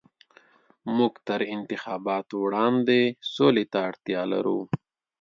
موږ تر انتخاباتو وړاندې سولې ته اړتيا لرو.